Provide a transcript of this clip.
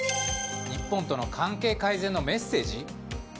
日本との関係改善のメッセージ？